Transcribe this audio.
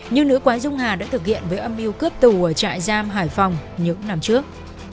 nhưng nữ quái dung hà đã thực hiện với âm mưu cướp tù ở trại giam hải phòng những năm trước